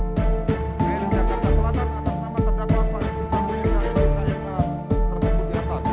tiga bn jakarta selatan atas nama terdakwa oleh bn samulisaya sma tersebut di atas